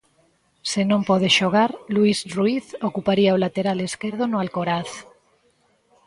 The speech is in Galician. Se non pode xogar, Luís Ruiz ocuparía o lateral esquerdo no Alcoraz.